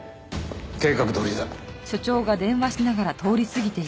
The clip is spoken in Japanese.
計画どおりだ。